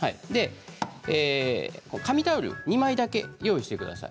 紙タオル２枚だけ用意してください。